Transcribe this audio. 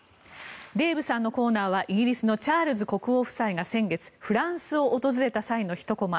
デーブさんのコーナーはイギリスのチャールズ国王夫妻が先月フランスを訪れた際のひとコマ。